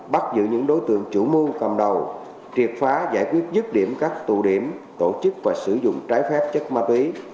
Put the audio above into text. bắt giữ những đối tượng chủ mưu cầm đầu triệt phá giải quyết dứt điểm các tụ điểm tổ chức và sử dụng trái phép chất ma túy